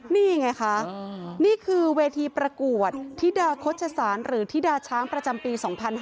นี่ไงคะนี่คือเวทีประกวดธิดาโฆษศาลหรือธิดาช้างประจำปี๒๕๕๙